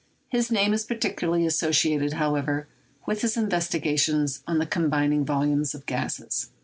His name is particularly associated, however, with his investigations on the combining volumes of gases.